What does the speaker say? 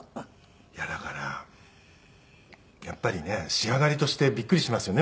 いやだからやっぱりね仕上がりとしてびっくりしますよね